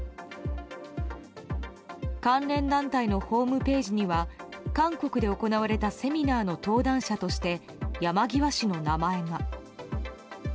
関連団体のホームページには韓国で行われたセミナーの登壇者として、山際氏の名前が。